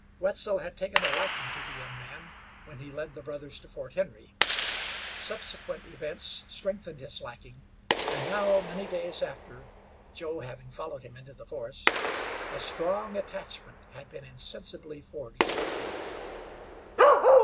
Wetzel had taken a liking to the young man when he led the brothers to Fort Henry. Subsequent events strengthened his liking, and now, many days after, Joe having followed him into the forest, a strong attachment had been insensibly forged between them.